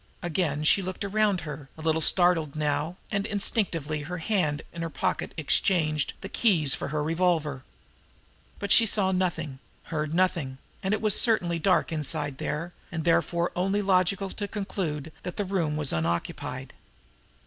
Again she looked around her, a little startled now; and instinctively her hand in her pocket exchanged the keys for her revolver. But she saw nothing, heard nothing; and it was certainly dark inside there, and therefore only logical to conclude that the room was unoccupied.